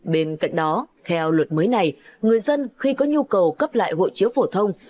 bên cạnh đó theo luật mới này người dân khi có nhu cầu cấp lại hộ chiếu phổ thông